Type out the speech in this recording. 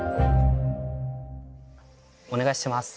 お願いします。